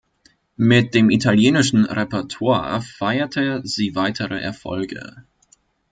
Mit dem italienischen Repertoire feierte sie weitere Erfolge.